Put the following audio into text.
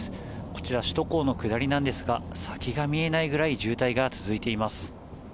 こちら首都高の下りなんですが、先が見えないくらい渋滞が続いています。